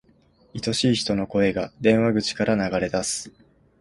愛しい人の声が、電話口から流れ出す。